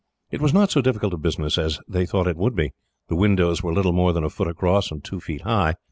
It was not so difficult a business as they thought it would be. The windows were little more than a foot across and two feet high.